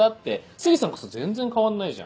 杉さんこそ全然変わんないじゃん。